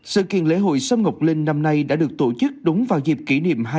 sự kiện lễ hội sâm ngọc linh năm nay đã được tổ chức đúng vào dịp kỷ niệm